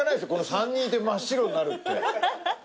３人いて真っ白になるって。